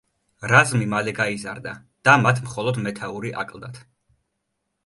რაზმი მალე გაიზარდა და მათ მხოლოდ მეთაური აკლდათ.